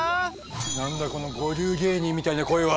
何だこの五流芸人みたいな声は？